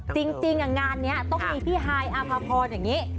จริงงานนี้ต้องมีพี่ฮายอาภาพรอย่างนี้